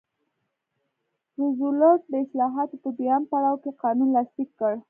روزولټ د اصلاحاتو په دویم پړاو کې قانون لاسلیک کړ.